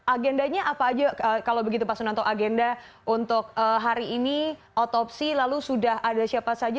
agendanya apa aja kalau begitu pak sunanto agenda untuk hari ini otopsi lalu sudah ada siapa saja